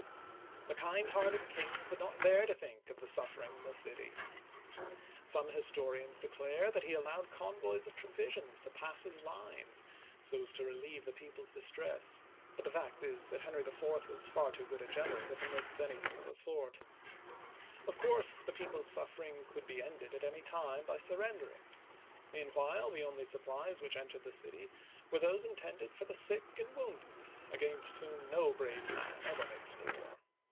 The kind hearted king could not bear to think of the suffering in the city. Some historians declare that he allowed convoys of provisions to pass his lines so as to relieve the people's distress; but the fact is that Henry IV. was far too good a general to permit anything of the sort. Of course the pjeople's suffering could be ended at any time by surrendering; meanwhile the only supplies which entered the city were those intended for the sick and wounded, against whom no brave man ever makes war.